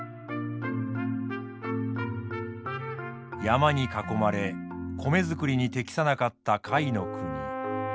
山に囲まれ米作りに適さなかった甲斐国。